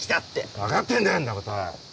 わかってんだよんなことは！